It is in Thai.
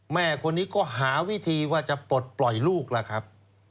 แม่คนนี้ก็หาวิธีว่าจะปลดปล่อยลูกล่ะครับ